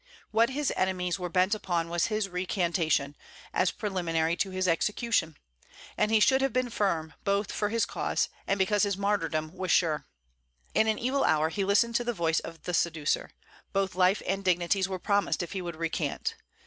What his enemies were bent upon was his recantation, as preliminary to his execution; and he should have been firm, both for his cause, and because his martyrdom was sure. In an evil hour he listened to the voice of the seducer. Both life and dignities were promised if he would recant.